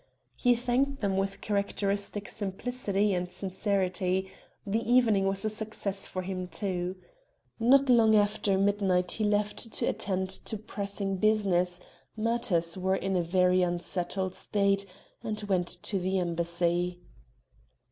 He thanked them with characteristic simplicity and sincerity the evening was a success for him too. Not long after midnight he left to attend to pressing business matters were in a very unsettled state and went to the embassy.